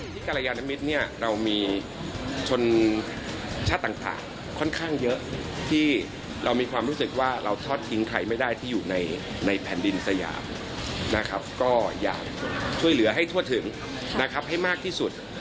กรยานมิตรเนี่ยเรามีชนชาติต่างค่อนข้างเยอะที่เรามีความรู้สึกว่าเราทอดทิ้งใครไม่ได้ที่อยู่ในแผ่นดินสยามนะครับก็อยากช่วยเหลือให้ทั่วถึงนะครับให้มากที่สุด